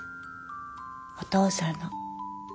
お父さんの。